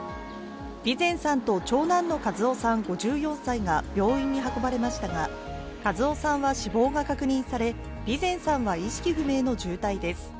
備前さんと長男の和雄さん５４歳が病院に運ばれましたが和雄さんは死亡が確認され、備前さんは意識不明の重体です。